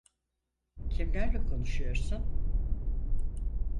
Kimlerle konuşuyorsun?